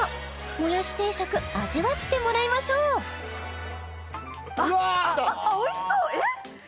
もやし定食味わってもらいましょうあっおいしそうえっ？